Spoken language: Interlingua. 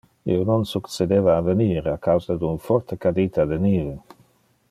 Io non succedeva a venir a causa de un forte cadita de nive.